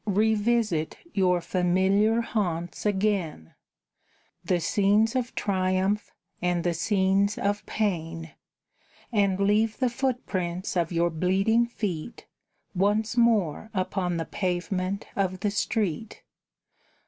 Revisit your familiar haunts again, The scenes of triumph, and the scenes of pain, And leave the footprints of your bleeding feet Once more upon the pavement of the street!